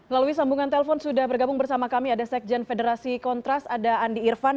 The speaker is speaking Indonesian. melalui sambungan telpon sudah bergabung bersama kami ada sekjen federasi kontras ada andi irfan